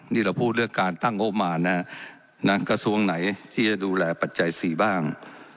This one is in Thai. นี่เราพูดเรื่องการตั้งงบมารนะฮะกระทรวงไหนที่จะดูแลปัจจัยสี่บ้าง